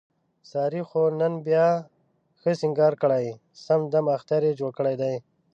سارې خو نن بیا ښه سینګار کړی، سم دمم اختر یې جوړ کړی دی.